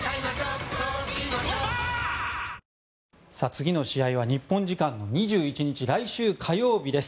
次の試合は日本時間の２１日来週火曜日です。